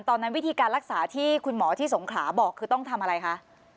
ตอนนั้นวิธีการรักษาที่คุณหมอที่สงขลาบอกคือต้องทำอะไรคะ